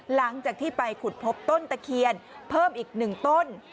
หลังจากที่ไปขุดพบต้นตะเคียนเพิ่มอีก๑ต้น